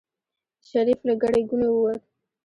شريف له ګڼې ګوڼې ووت.